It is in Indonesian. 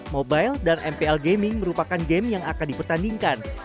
mobile dan mpl gaming merupakan game yang akan dipertandingkan